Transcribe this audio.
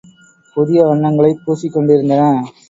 புதிய வண்ணங்களைப் பூசிக் கொண்டிருந்தன.